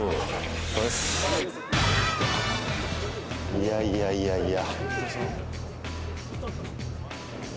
いやいやいやいや。